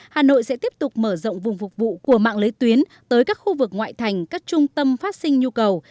hà nội sẽ tiếp tục mở rộng vùng phục vụ của mạng lưới tuyến tới các khu vực ngoại thành các trung tâm phát sinh nhu cầu